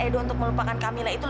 damon gak cabin aja